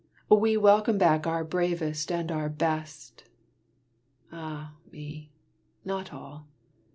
We welcome back our bravest and our best; Ah me! not all!